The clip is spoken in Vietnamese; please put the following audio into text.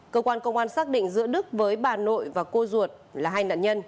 cơ quan công an xác định giữa đức với bà nội và cô ruột là hai nạn nhân